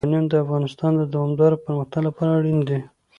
یورانیم د افغانستان د دوامداره پرمختګ لپاره اړین دي.